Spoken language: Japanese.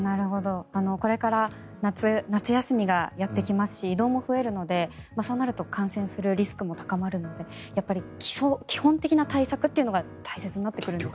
これから夏休みがやってきますし移動も増えるのでそうなると感染するリスクも高まるので基本的な対策っていうのが大切になってくるんですね。